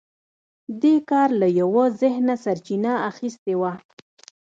دې کار له یوه ذهنه سرچینه اخیستې وه